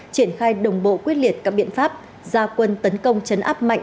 triển khai đồng bộ quyết liệt các biện pháp gia quân tấn công chấn áp mạnh